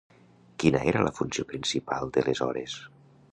Quina era la funció principal de les Hores?